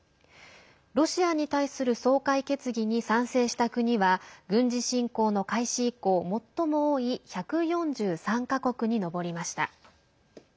ロシアに対する総会決議に賛成した国は軍事侵攻の開始以降、最も多い１４３か国に上りました。